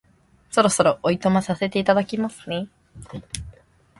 そろそろお暇させていただきますね